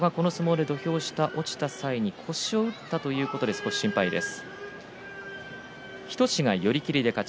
上戸がこの相撲で土俵下へ落ちた際に腰を打ったということで少し心配です。